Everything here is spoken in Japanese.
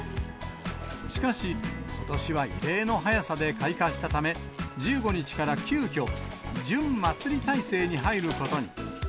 しかしことしは異例の早さで開花したため、１５日から急きょ、準まつり体制に入ることに。